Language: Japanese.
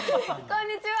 こんにちは！